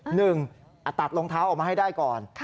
ตัดรองเท้าออกมาให้ได้ก่อน